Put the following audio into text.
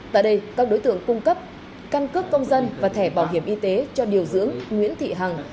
tại đây các đối tượng cung cấp căn cước công dân và thẻ bảo hiểm y tế cho điều dưỡng nguyễn thị hằng